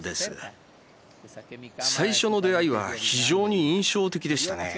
最初の出会いは非常に印象的でしたね。